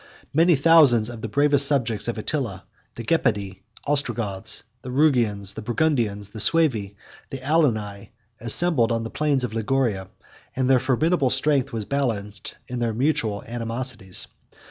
Many thousands of the bravest subjects of Attila, the Gepidae, the Ostrogoths, the Rugians, the Burgundians, the Suevi, the Alani, assembled in the plains of Liguria; and their formidable strength was balanced by their mutual animosities.